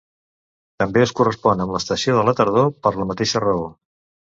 També es correspon amb l'estació de la tardor per la mateixa raó.